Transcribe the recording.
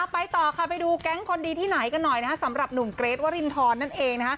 ไปต่อค่ะไปดูแก๊งคนดีที่ไหนกันหน่อยสำหรับหนุ่มเกรทวรินทรนั่นเอง